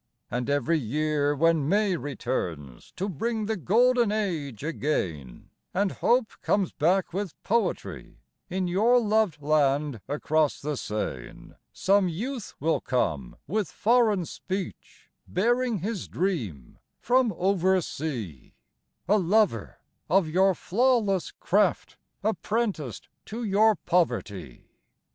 And every year, when May returns To bring the golden age again, And hope comes back with poetry In your loved land across the Seine, Some youth will come with foreign speech, Bearing his dream from over sea, A lover of your flawless craft, Apprenticed to your poverty.